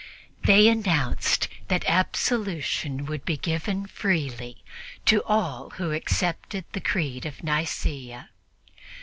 They announced that absolution would be given freely to all who accepted the Creed of Nicea.